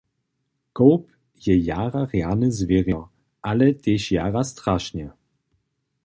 Kołp je jara rjane zwěrjo, ale tež jara strašne.